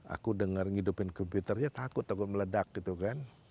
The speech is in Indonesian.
aku dengar ngidupin komputernya takut takut meledak gitu kan